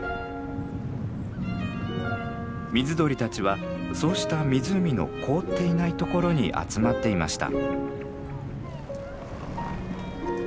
水鳥たちはそうした湖の凍っていないところに集まっていました。